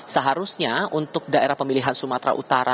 seharusnya untuk daerah pemilihan sumatera utara